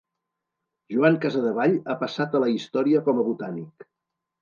Joan Cadevall ha passat a la història com a botànic.